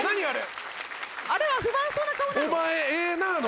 あれは不満そうな顔なの？